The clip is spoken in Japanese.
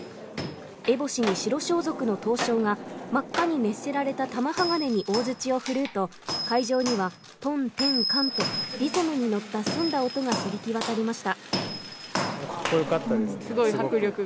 えぼしに白装束の刀匠が真っ赤に熱せられた玉鋼に大づちを振るうと、会場にはトン、テン、カンとリズムに乗った澄んだ音が響きわたりました。